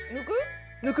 抜く？